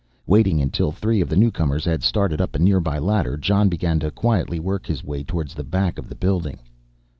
Waiting until three of the newcomers had started up a nearby ladder, Jon began to quietly work his way towards the back of the building.